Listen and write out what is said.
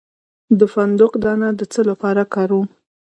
د فندق دانه د څه لپاره وکاروم؟